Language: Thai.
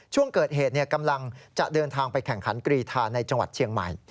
ช่วงเกิดเหตุกำลังจะเดินทางไปแข่งขันกรีธาในจังหวัดเชียงใหม่